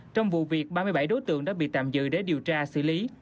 trong vụ việc ba mươi bảy đối tượng đã bị tạm giữ để điều tra xử lý